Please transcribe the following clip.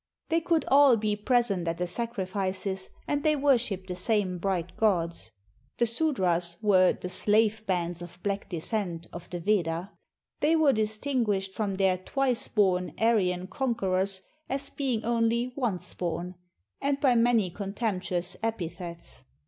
They could all be present at the sacrifices, and they worshiped the same bright gods. The Sudras were " the slave bands of black descent" of the Veda. They were distinguished from their "Twice born" Ar^'an conquerors as being only ''Once born," and by many contemptuous epithets.